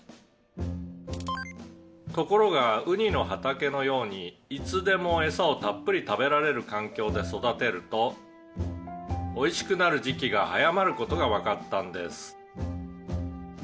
「ところがウニの畑のようにいつでもエサをたっぷり食べられる環境で育てるとおいしくなる時期が早まる事がわかったんです」